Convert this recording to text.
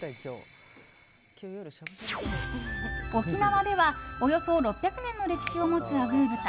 沖縄では、およそ６００年の歴史を持つ、あぐー豚。